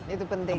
itu penting ya